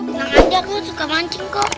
kenang aja kan suka mancing kok